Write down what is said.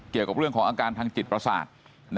เกี่ยวกับเรื่องของอาการทางจิตประสาท